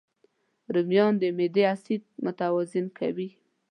رومیان د معدې اسید متوازن کوي